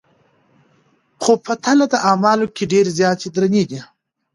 خو په تله د اعمالو کي ډېرې زياتي درنې دي